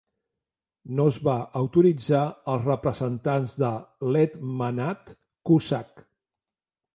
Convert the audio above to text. No es va autoritzar als representants de l'Hetmanat cosac.